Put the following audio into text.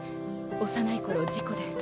幼い頃事故で。